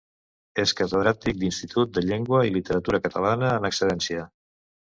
És catedràtic d'institut de llengua i literatura catalana en excedència.